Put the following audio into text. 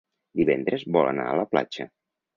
Divendres vol anar a la platja.